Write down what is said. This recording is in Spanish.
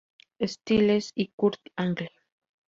Styles y Kurt Angle.